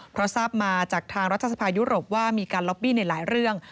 เพราะทราบมาจากทางรัฐสภายุโรปว่ามีการล็อบบี้ในหลายเรื่อง